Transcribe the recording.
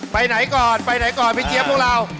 ไปไหนก่อนไปไหนก่อนพี่เจี๊ยบพวกเรา